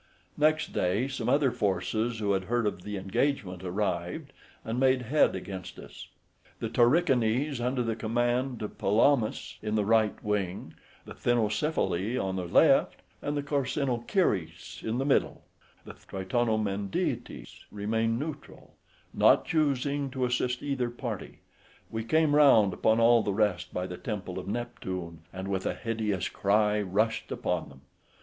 Next day some other forces, who had heard of the engagement, arrived, and made head against us; the Tarichanes; under the command of Pelamus, in the right wing, the Thynnocephali on the left, and the Carcinochires in the middle; the Tritonomendetes remained neutral, not choosing to assist either party: we came round upon all the rest by the temple of Neptune, and with a hideous cry, rushed upon them.